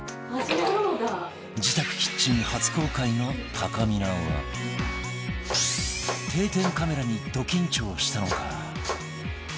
自宅キッチン初公開のたかみなは定点カメラにド緊張したのか